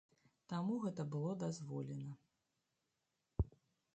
Таму гэта было дазволена.